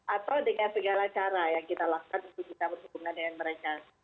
atau dengan segala cara yang kita lakukan untuk bisa berhubungan dengan mereka